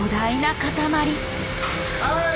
はい！